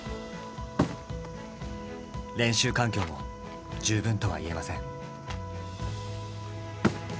練習環境も十分とは言えません。